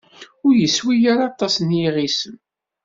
Ur yeswi ara aṭas n yiɣisem.